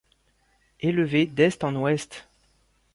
Élevée d'est en ouest.